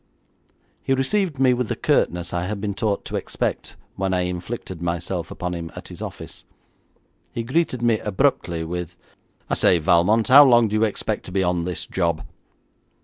He received me with the curtness I had been taught to expect when I inflicted myself upon him at his office. He greeted me abruptly with, 'I say, Valmont, how long do you expect to be on this job?'